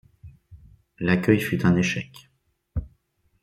L'accueil fut un échec.